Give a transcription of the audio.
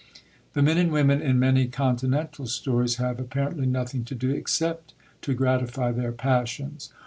The men and women in many Continental stories have apparently nothing to do except to gratify their passions.